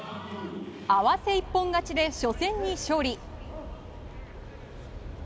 合わせ一本勝ちで初戦に勝利。